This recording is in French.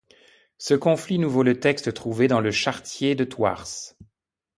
Ce conflit nous vaut le texte trouvé dans le chartrier de Thouars.